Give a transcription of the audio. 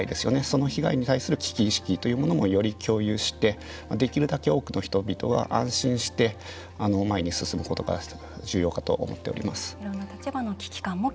その被害に対する危機意識というものもより共有してできるだけ多くの人々が安心して前に進むことが重要かと思っております。